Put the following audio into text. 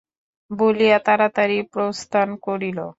বলিয়া তাড়াতাড়ি প্রস্থান করিল।